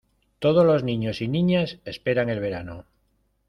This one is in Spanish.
Todos los niños y niñas esperan el verano.